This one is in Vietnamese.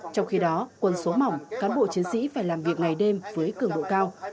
trong khi đó quân số mỏng cán bộ chiến sĩ phải làm việc ngày đêm với cường độ cao